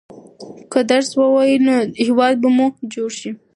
که درس ووايئ نو هېواد به مو جوړ شي.